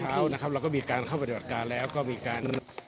เมื่อเช้าเราก็มีการเข้าปฏิบัติการแล้วก็มีการ